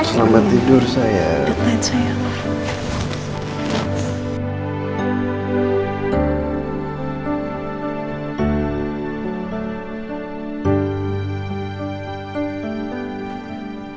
selamat tidur sayang